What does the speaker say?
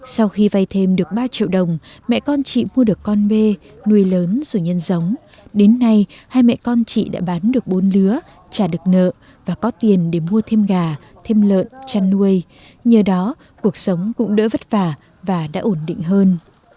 sau khi vay thêm được ba triệu đồng mẹ con chị mua được con bê nuôi lớn rồi nhân giống đến nay hai mẹ con chị đã bán được bốn lứa trả được nợ và có tiền để mua thêm gà thêm lợn chăn nuôi nhờ đó cuộc sống cũng đỡ vất vả và đã ổn định hơn